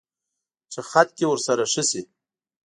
چې خط دې ورسره ښه شي.